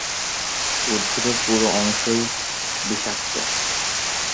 উদ্ভিদের পুরো অংশই বিষাক্ত।